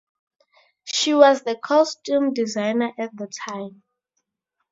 She was the costume designer at the time.